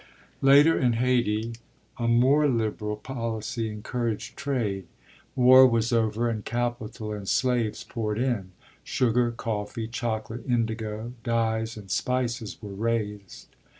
Later, in Hayti, a more liberal policy encouraged trade; war was over and capital and slaves poured in. Sugar, coffee, chocolate, indigo, dyes, and spices were raised.